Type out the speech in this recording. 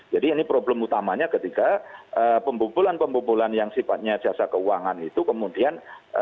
jadi ini problem utamanya ketika pembubulan pembubulan yang sifatnya jasa keuangan itu kemudian